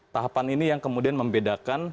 tahapan ini yang kemudian membedakan